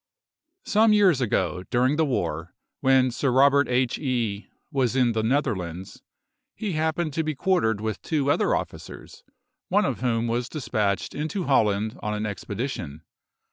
Some years ago, during the war, when Sir Robert H. E—— was in the Netherlands, he happened to be quartered with two other officers, one of whom was despatched into Holland on an expedition.